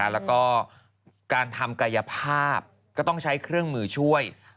แล้วก็การทำกายภาพก็ต้องใช้เครื่องมือช่วย